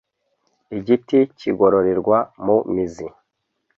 Igiti kigororerwa mu mizi